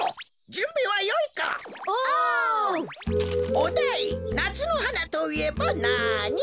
おだいなつのはなといえばなに？